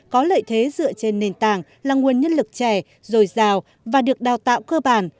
có lợi thế dựa trên nền tảng là nguồn nhân lực trẻ dồi dào và được đào tạo cơ bản